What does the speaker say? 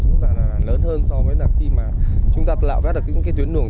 cũng là lớn hơn so với khi mà chúng ta lạo vét được những cái tuyến đường